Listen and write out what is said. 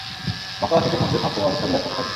মক্কাবাসীদের মধ্যে থমথমে অবস্থা বিরাজ করতে থাকে।